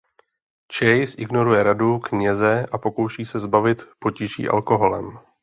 Chase ignoruje radu kněze a pokouší se zbavit potíží alkoholem.